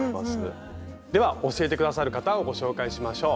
では教えて下さる方をご紹介しましょう。